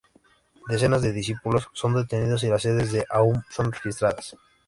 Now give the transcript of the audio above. Decenas de discípulos son detenidos y las sedes de Aum son registradas.